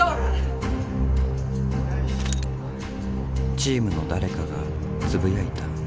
チームの誰かがつぶやいた。